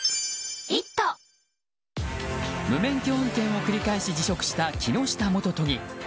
無免許運転を繰り返し辞職した木下元都議。